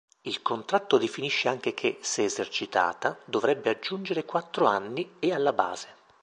Il contratto definisce anche che, se esercitata, dovrebbe aggiungere quattro anni e alla base.